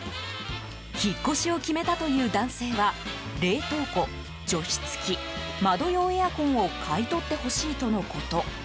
引っ越しを決めたという男性は冷凍庫、除湿器、窓用エアコンを買い取ってほしいとのこと。